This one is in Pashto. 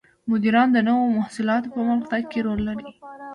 مدیران د نوو محصولاتو په پرمختګ کې رول لري.